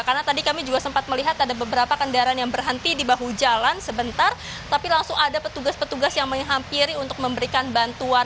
karena tadi kami juga sempat melihat ada beberapa kendaraan yang berhenti di bahu jalan sebentar tapi langsung ada petugas petugas yang menghampiri untuk memberikan bantuan